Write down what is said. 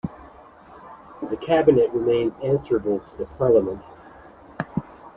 The cabinet remains answerable to the Parliament.